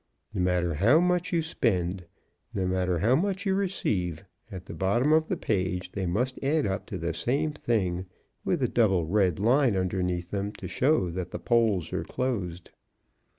No matter how much you spend, no matter how much you receive, at the bottom of the page they must add up to the same thing, with a double red line underneath them to show that the polls are closed.